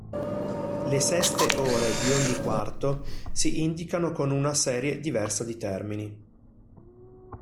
Le seste ore di ogni quarto si indicano con una serie diversa di termini.